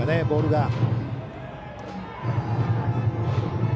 ボールが。